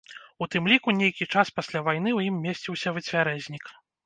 У тым ліку нейкі час пасля вайны ў ім месціўся выцвярэзнік.